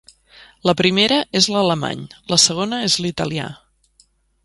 La primera és l’alemany, la segona és l’italià.